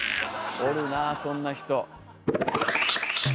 おるなあそんな人。